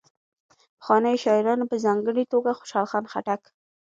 پخوانیو شاعرانو په ځانګړي توګه خوشال خان خټک.